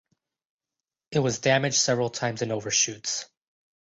It was damaged several times in overshoots.